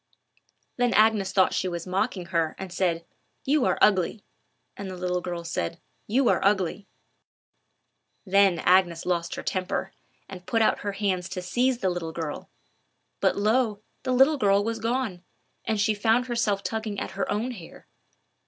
Then Agnes thought she was mocking her, and said, "You are ugly;" and the little girl said, "You are ugly." Then Agnes lost her temper, and put out her hands to seize the little girl; but lo! the little girl was gone, and she found herself tugging at her own hair.